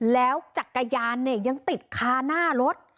แล้วจักรยานเนี่ยยังติดคาหน้ารถ